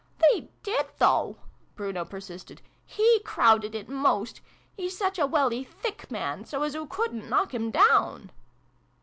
"They did, though," Bruno persisted. "He crowded it most. He's such a welly thick man so as oo couldn't knock him down."